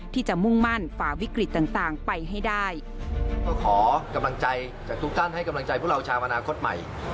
ที่จะมุ่งมั่นประวิกฤตต่างไปให้ได้